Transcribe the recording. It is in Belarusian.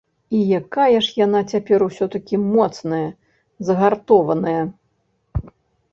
І якая ж яна цяпер усё-такі моцная, загартованая!